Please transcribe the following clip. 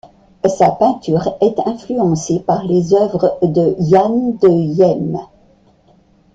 Sa peinture est influencée par les œuvres de Jan de Heem.